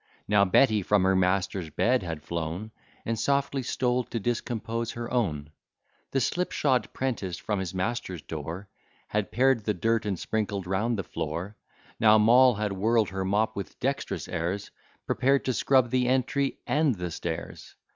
Now Betty from her master's bed had flown, And softly stole to discompose her own; The slip shod 'prentice from his master's door Had pared the dirt, and sprinkled round the floor. Now Moll had whirl'd her mop with dext'rous airs, Prepared to scrub the entry and the stairs.